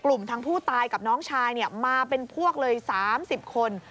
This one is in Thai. กลุ่มทางผู้ตายกับน้องชายเนี่ยมาเป็นพวกเลย๓๐คน